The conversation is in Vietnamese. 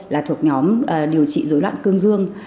là thuộc nhóm điều trị dối loạn cương dương